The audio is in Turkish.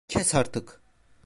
Kes artık!